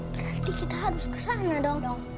berarti kita harus ke sana dong